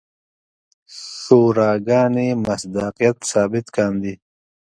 شوراګانې مصداقیت ثابت کاندي.